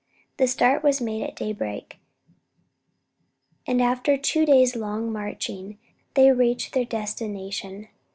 The start was made at daybreak, and after two days' long marching they reached their destination.